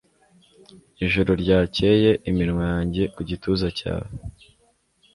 ijoro ryakeye, iminwa yanjye ku gituza cyawe